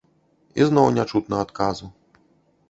Ізноў не чутна адказу.